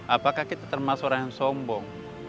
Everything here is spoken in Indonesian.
apakah kita termasuk orang yang sombong